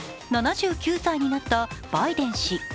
７９歳になったバイデン氏。